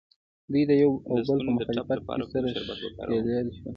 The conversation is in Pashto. دوی د یو او بل په مخالفت کې سره ښکلیل شول